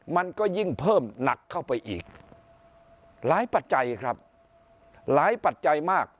มันก็ยิ่งเพิ่มหนักเข้าไปอีกหลายปัจจัยครับหลายปัจจัยมาก